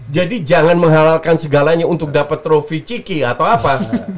jadi jangan menghalalkan segalanya untuk dapat trufi ciki atau apa